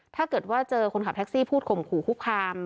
ถ้าเกิดว่าเจอคนขับแท็กซี่พูดข่มขู่คุกคาม